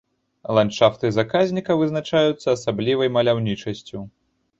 Ландшафты заказніка вызначаюцца асаблівай маляўнічасцю.